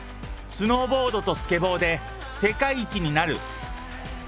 スノーボードとスケボーで世界一になる。